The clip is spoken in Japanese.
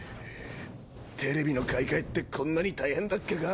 テレビの買い替えってこんなに大変だっけか？